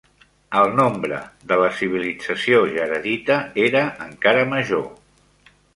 El nombre de la civilització Jaredita era encara major.